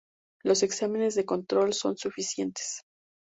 Los exámenes de control son suficientes.